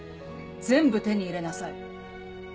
全部手に入れなさい。